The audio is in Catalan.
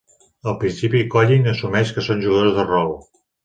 Al principi, Colleen assumeix que són jugadors de rol.